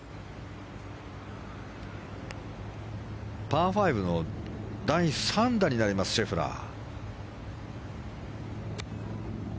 パー５の第３打になります、シェフラー。